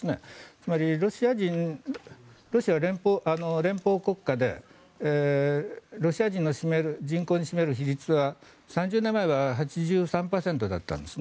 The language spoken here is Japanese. つまりロシアは連邦国家でロシア人の人口に占める比率は３０年前は８３％だったんです。